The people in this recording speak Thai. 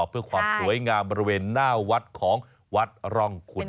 เพื่อความสวยงามบริเวณหน้าวัดของวัดร่องคุณ